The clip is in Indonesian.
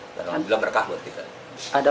alhamdulillah berkah buat kita